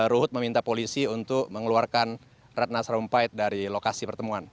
ruhut meminta polisi untuk mengeluarkan ratna sarumpait dari lokasi pertemuan